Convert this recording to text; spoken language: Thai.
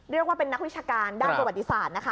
เรียกว่าเป็นนักวิชาการด้านประวัติศาสตร์นะคะ